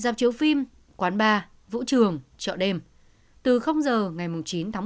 giảm chiếu phim quán bar vũ trường chợ đêm từ giờ ngày chín tháng một mươi một